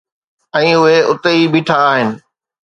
۽ اهي اتي ئي بيٺا آهن.